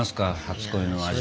初恋の味。